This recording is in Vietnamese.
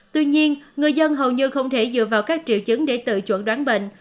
tuy nhiên người dân hầu như không thể dựa vào các triệu chứng để tự chuẩn đoán bệnh